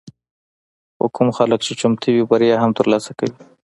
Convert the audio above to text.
خو کوم خلک چې چمتو وي، بریا هم ترلاسه کوي.